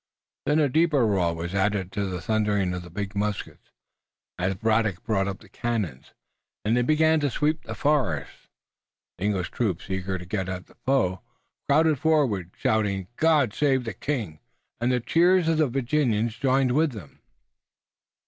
Then a deeper roar was added to the thundering of the big muskets, as Braddock brought up the cannon, and they began to sweep the forest. The English troops, eager to get at the foe, crowded forward, shouting "God save the King!" and the cheers of the Virginians joined with them.